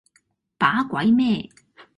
把鬼咩